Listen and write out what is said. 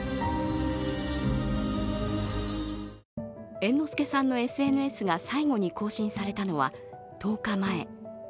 猿之助さんのＳＮＳが最後に更新されたのは１０日前。